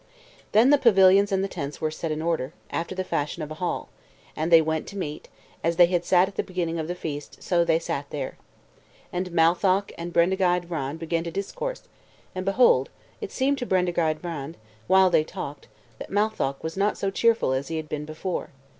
Then the pavilions and the tents were set in order, after the fashion of a hall; and they went to meat, and as they had sat at the beginning of the feast so sat they there. And Matholch and Bendigeid Vran began to discourse; and, behold, it seemed to Bendigeid Vran, while they talked, that Matholch was not so cheerful as he had been before.